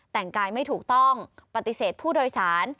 แต่งกายไม่ถูกต้องปฏิเสธผู้โดยสาร